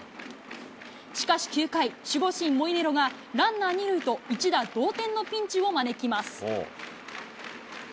しかし９回、守護神、モイネロがランナー２塁と、一打同点のピンチを招きます。